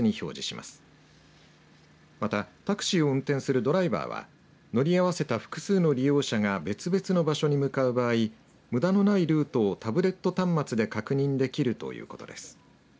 また、タクシーを運転するドライバーは乗り合わせた複数の利用者が別々の場所に向かう場合むだのないルートをタブレット端末で確認できるということです。